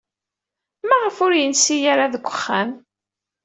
Maɣef ur yensi ara deg uxxam?